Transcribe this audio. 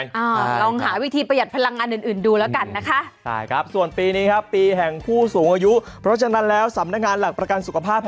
อ่าลองหาวิธีประหัดพลังงานอื่นอื่นดูแล้วกันนะคะ